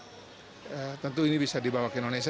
dari menkes tentu ini bisa dibawa ke indonesia